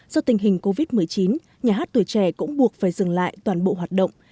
do tình hình covid một mươi chín nhà hát tuổi trẻ cũng buộc phải dừng lại toàn bộ hoạt động